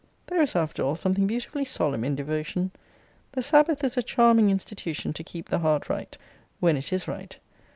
There is, after all, something beautifully solemn in devotion. The Sabbath is a charming institution to keep the heart right, when it is right.